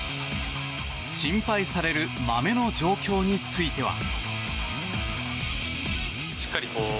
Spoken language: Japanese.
心配されるまめの状況については。